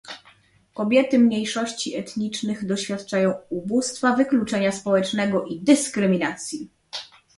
Kobiety mniejszości etnicznych doświadczają ubóstwa, wykluczenia społecznego i dyskryminacji